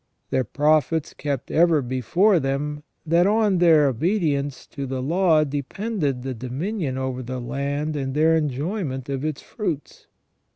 Their prophets kept ever before them, that on their obedience to the law depended their dominion over the land and their enjoy ment of its fruits.